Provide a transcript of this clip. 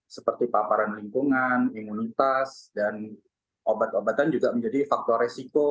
seperti paparan lingkungan imunitas dan obat obatan juga menjadi faktor resiko